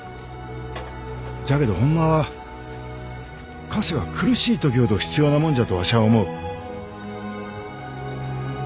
じゃけどホンマは菓子は苦しい時ほど必要なもんじゃとわしゃあ思う。